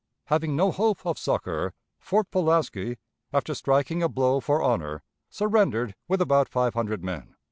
Having no hope of succor, Fort Pulaski, after striking a blow for honor, surrendered with about five hundred men."